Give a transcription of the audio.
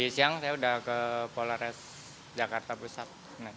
siang saya sudah ke polares jakarta pusat